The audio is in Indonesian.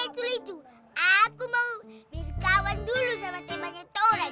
betul itu aku mau main kawan dulu sama temennya tola